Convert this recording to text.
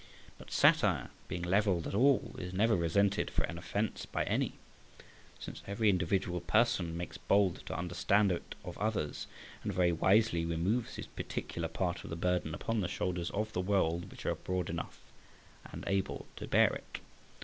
But satire, being levelled at all, is never resented for an offence by any, since every individual person makes bold to understand it of others, and very wisely removes his particular part of the burden upon the shoulders of the World, which are broad enough and able to bear it.